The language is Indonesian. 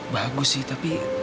bagus sih tapi